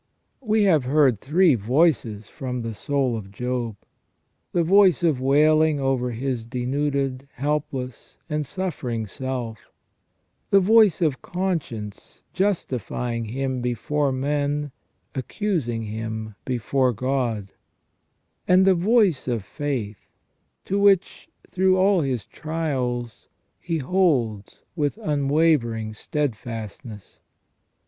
We have heard three voices from the soul of Job : the voice of wailing over his denuded, helpless, and suffering self ; the voice of conscience justifying him before men, accusing him before God ; and the voice of faith, to which, through all his trials, he holds with unwavering steadfastness